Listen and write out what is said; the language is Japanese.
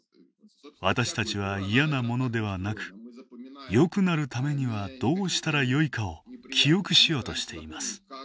私たちは嫌なものではなくよくなるためにはどうしたらよいかを記憶しようとしています。